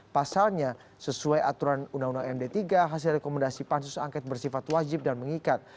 pasalnya sesuai aturan undang undang md tiga hasil rekomendasi pansus angket bersifat wajib dan mengikat